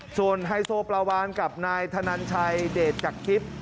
ส่วนไฮโซปลาวานกับนายธนันชัยเดชจากทิพย์